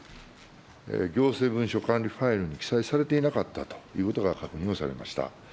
行政文書管理ファイルに記載されていなかったということが確認をされました。